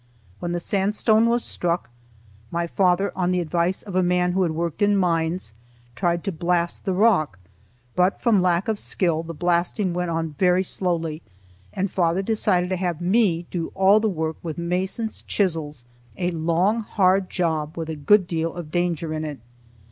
When the sandstone was struck, my father, on the advice of a man who had worked in mines, tried to blast the rock; but from lack of skill the blasting went on very slowly, and father decided to have me do all the work with mason's chisels, a long, hard job, with a good deal of danger in it.